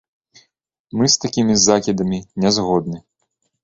Мы з такімі закідамі не згодны.